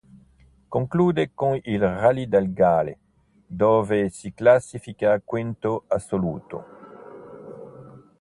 Conclude con il Rally del Galles dove si classifica quinto assoluto.